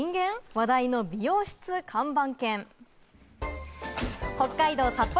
話題の美容室、看板犬。